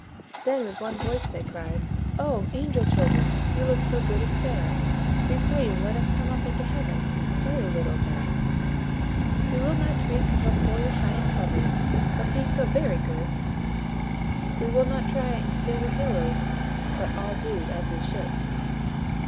Then with one voice they cried: "Oh! angel Children, You look so good and fair, We pray you, let us come up into Heaven And play a little there. "We will not tweak nor pull your shining feathers, But be so very good; We will not try and steal your little halos, But all do as we should."